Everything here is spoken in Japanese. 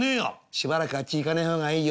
「しばらくあっち行かねえ方がいいよ」。